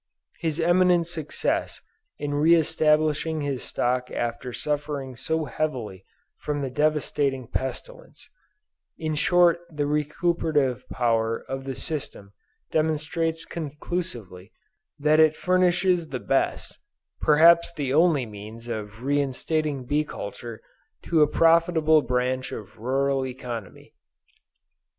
His eminent success in re establishing his stock after suffering so heavily from the devastating pestilence in short the recuperative power of the system demonstrates conclusively, that it furnishes the best, perhaps the only means of reinstating bee culture lo a profitable branch of rural economy.